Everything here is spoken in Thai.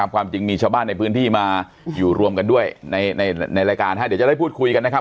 ความจริงมีชาวบ้านในพื้นที่มาอยู่รวมกันด้วยในรายการเดี๋ยวจะได้พูดคุยกันนะครับ